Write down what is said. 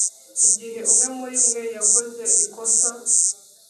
igihe umwe muri mwe yakoze ikosa